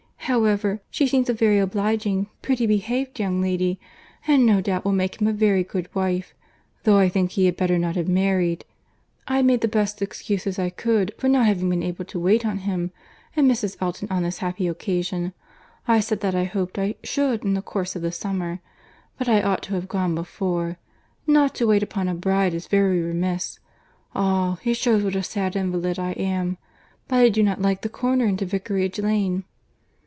However, she seems a very obliging, pretty behaved young lady, and no doubt will make him a very good wife. Though I think he had better not have married. I made the best excuses I could for not having been able to wait on him and Mrs. Elton on this happy occasion; I said that I hoped I should in the course of the summer. But I ought to have gone before. Not to wait upon a bride is very remiss. Ah! it shews what a sad invalid I am! But I do not like the corner into Vicarage Lane."